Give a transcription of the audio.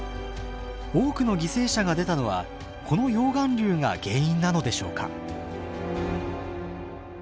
多くの犠牲者が出たのはこの溶岩流が原因なのでしょうか？